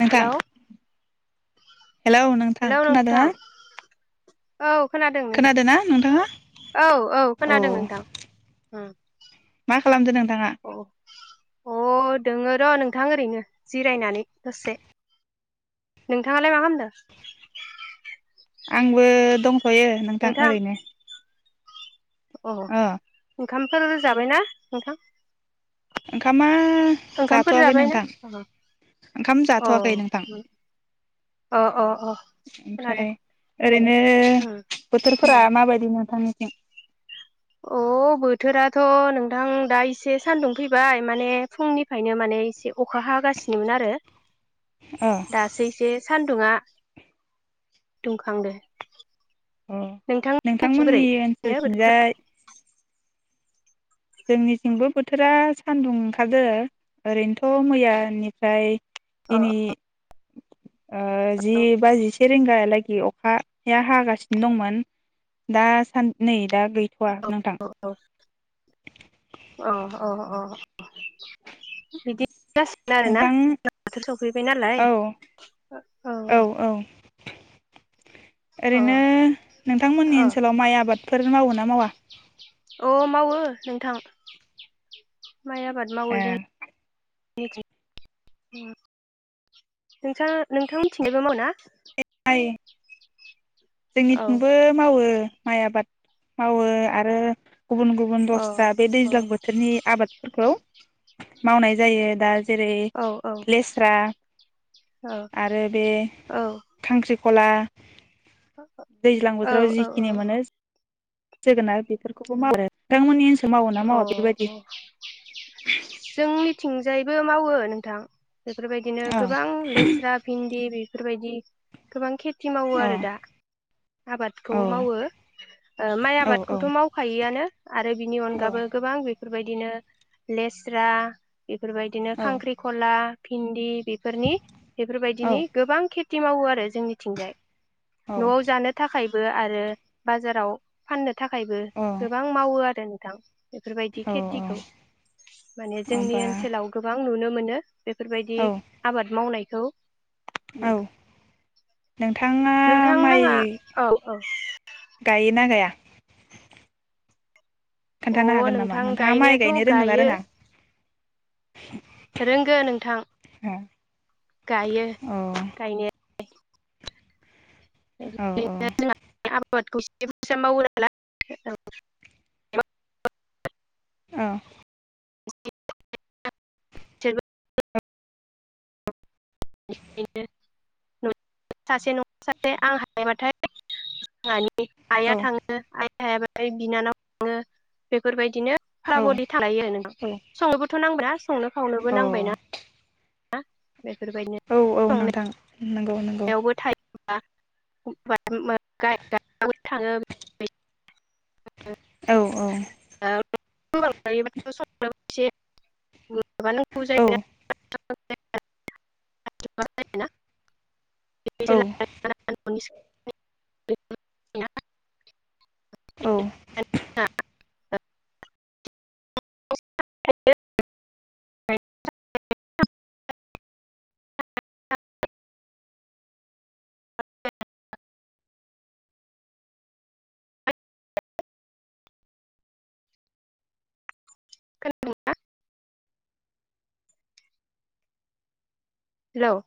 नोंथां hello hello नोंथां खोनादोना। औ खोनादों नोंथां औ औ खोनादों नोंथां उम मा खालामदों नों औ। अ दोङो र' नोंथां ओरैनो जिरायनानै दसे। नोंथाङालाय मा खालामदो? [inaudible] आंबो दं। थयो नोंथां ओरैनो। अ। ओंखामफोर जाबायना नोंथां? ओंखामा ओ ओंखामफोर जाथ'आखै जाबायना नोंथां अ ओंखाम अ जाथ'वाखै नोंथां। अ अ ओमफ्राय खोनादों ओरैनो अ बोथोर फोरा माबायदि नोंथांनिथिं अ बोथोराथ' नोंथां दा एसे सान्दुं फैबाय माने फुंनिफ्रायनो माने एसे अखा हागासिनोमोन आरो। अ दासो एसे सान्दुङा दुंखांदो। अ नोंथांनिथिं बोरै नोंथांमोननि ओनसोलथिंजाय जोंनिथिंबो बोथोरा सान्दुं ओंखारादो ओरैनोथ' मैयानिफ्राय अ दिनै औ ओ जि बा जिसे रिंगा लागि अखाया हागासिनो दंमोन दा सा-न नै दा गैथ'वा नोंथां। औ अ अ। बिदि जासिगोन आरोना नोंथां बोथोर सौफैबाय नालाय औ ओ औ औ। ओरैनो नोंथांमोननि अ ओनसोलाव माइ आबादफोर मावो ना मावा? अ मावो नोंथां [inaudible] माइ आबाद मावो ए जों [unintelligible] नोंसा नोंथां मिनथिंजायबो मावो ना? [unintelligible] औ जोंनिथिंबो मावो। माइ आबाद मावो आरो गुबुन गुबुन अ दस्रा बे दैज्लां बोथोरनि आबादफोरखौ मावनाय जायो दा ज जेरै औ औ लेस्रा औ आरो बे औ खांख्रि खला दैज्लां औ बोथोराव औ औ जिखिनि मोनो जोगोनार बेफोरखौबो मावो। नोंथांमोननि ओनसो मावो ना मावा बेबायदि? जोंनि थिंजायबो मावो नोंथां। बेफोरबायदिनो औ गोबां लेस्रा, भिन्दि बेफ बेफोरबायदि गोबां खेथ खेथि मावो औ आरो दा आबादखौ औ मावो माइ ओ औ आबादखौथ' मावखायआनो। आरो बिनि औ अनगाबो गोबां बेफ बेफोरबायदिनो लेस स्रा बेफोरबायदिनो औ खांख्रिखला, भिन्दि, बेफोरनि औ बेफोरबायदिनि गोबां खेथ खेथि मावो आरो जोंनिथिंजाय औ न'आव जानो थाखाय बो आरो बाजाराव फाननोबो थाखायबो गोबां मावो आरो थां बेफोरबायदि औ खेथिखौ माने जोंनि होमबा ओनसोलाव गोबां गोबां नुनो मोनो बेफोरबायदि औ आबाद मावनायखौ औ नोंथाङा नोंथां माइ लाङा औ औ गायोना गाया? खोन्थानो अ हागोन नामा नोंथां नोंथाङा माइ गायनायाथ' गायनो रोंगो ना गायो रोङा? [inaudible] रोंगो नोंथां। ए गायो गायनाया- औ अ आबादखौ [unintelligible] अ आ जोबो बिदिनो नु सासे न' सासे आं हायोबाथाय- सानि आइया थाङो आइ आयाबो बिनानावनो‌ बेफोरबायद दिनो फाबनि थालायो संनोबोथ' नांब्रा संनो खावनोबो औ अ नांबायना? आ औ औ नोंथां नंगौ नंगौ। संनायावबो [unintelligible] [unintelligible] औ औ थाङो [unintelligible] [unintelligible] औ [unintelligible] [unintelligible] औ [unintelligible] [unintelligible] औ [unintelligible] खोनादों ना? हेलौ